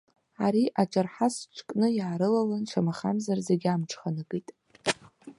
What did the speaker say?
Ари аҿырҳас ҿкны иаарылалан, шамахамзар зегь амҽханакит.